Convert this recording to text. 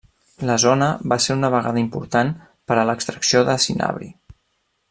La zona va ser una vegada important per a l'extracció de cinabri.